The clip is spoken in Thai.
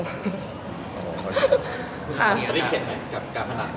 คุณคิดว่าจะรีบเข็ดไหมกับการพนัก